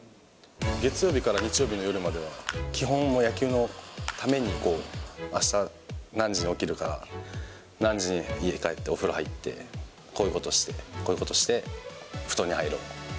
月曜日から日曜日の夜までは、基本、もう野球のために、あした何時に起きるか、何時に家帰ってお風呂入って、こういうことをして、こういうことをして布団に入ろうと。